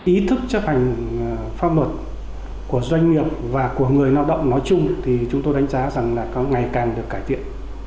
ý thức chấp hành pháp luật của doanh nghiệp và của người lao động nói chung thì chúng tôi đánh giá rằng là có ngày càng được cải thiện